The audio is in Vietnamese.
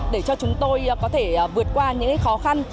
để cho chúng tôi có thể vượt qua những khó khăn